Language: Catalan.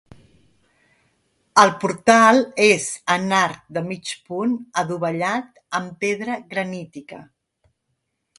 El portal és en arc de mig punt adovellat amb pedra granítica.